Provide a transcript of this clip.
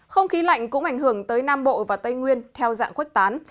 không khí lạnh cũng ảnh hưởng tới nam bộ và tây nguyên theo dạng khuếch tán